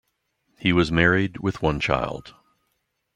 He was married with one child.